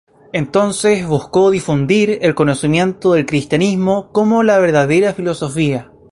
Entonces, buscó difundir el conocimiento del cristianismo como la verdadera filosofía.